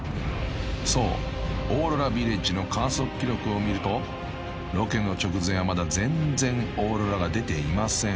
［そうオーロラビレッジの観測記録を見るとロケの直前はまだ全然オーロラが出ていません］